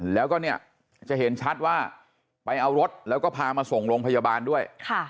แล้วก็เนี่ยจะเห็นชัดว่าไปเอารถแล้วก็พามาส่งโรงพยาบาลด้วย